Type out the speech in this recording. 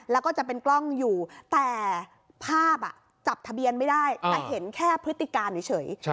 แล้วก็จะเป็นกล้องอยู่แต่ภาพจับทะเบียนไม่ได้แต่เห็นแค่พฤติการเฉย